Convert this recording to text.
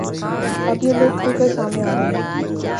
اب یہ لوگ کھل کر سامنے آ رہے ہیں